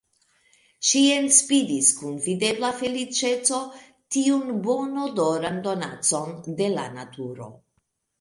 Ŝi enspiris kun videbla feliĉeco tiun bonodoran donacon de la naturo.